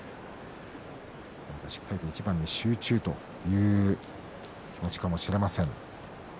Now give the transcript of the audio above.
しっかりと一番に集中という気持ちかもしれません。